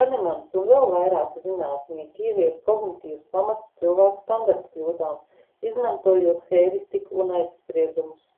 Kanemans un vēl vairāki zinātnieki ieviesa kognitīvus pamatus cilvēku standartkļūdām, izmantojot heiristiku un aizspriedumus.